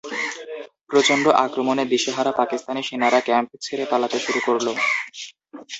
প্রচণ্ড আক্রমণে দিশেহারা পাকিস্তানি সেনারা ক্যাম্প ছেড়ে পালাতে শুরু করল।